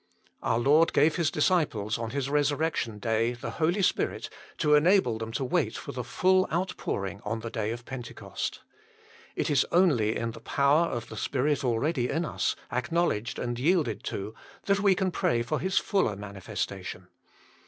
Our Lord gave His disciples on His resurrection day the Holy Spirit to enable them to wait for the full outpouring on the day of Pentecost. It is only in the power of the Spirit already in us, acknowledged and yielded to, that we can pray for His fuller manifestation.